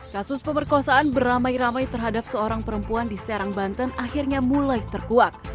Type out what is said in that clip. kasus pemerkosaan beramai ramai terhadap seorang perempuan di serang banten akhirnya mulai terkuak